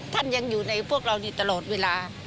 ท่านยังอยู่ในพวกเรานี่ตลอดเวลา